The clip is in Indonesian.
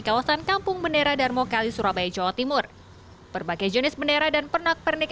kawasan kampung bendera darmo kali surabaya jawa timur berbagai jenis bendera dan pernak pernik